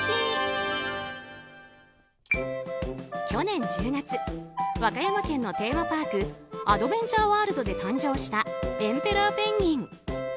去年１０月和歌山県のテーマパークアドベンチャーワールドで誕生したエンペラーペンギン。